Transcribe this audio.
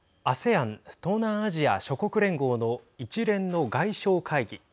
ＡＳＥＡＮ＝東南アジア諸国連合の一連の外相会議。